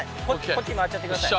こっち回っちゃって下さい。